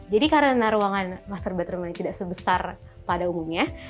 jadi karena ruangan master bedroomnya tidak sebesar pada umumnya